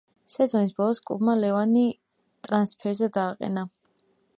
სეზონის ბოლოს კლუბმა ლევანი ტრანსფერზე დააყენა.